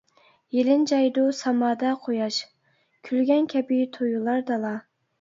يېلىنجايدۇ سامادا قۇياش، كۈلگەن كەبى تۇيۇلار دالا!